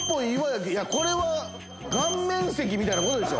いやこれは顔面石みたいなことでしょ？